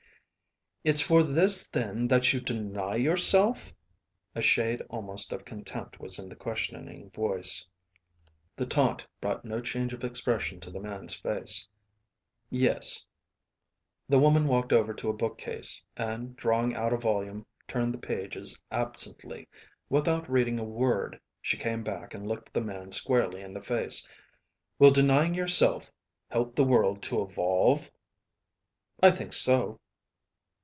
"It's for this then that you deny yourself?" A shade almost of contempt was in the questioning voice. The taunt brought no change of expression to the man's face. "Yes." The woman walked over to a bookcase, and, drawing out a volume, turned the pages absently. Without reading a word, she came back and looked the man squarely in the face. "Will denying yourself help the world to evolve?" "I think so."